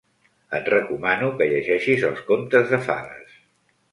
Et recomano que llegeixis els contes de fades.